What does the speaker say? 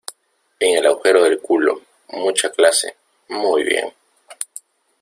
en el agujero del culo. mucha clase, muy bien .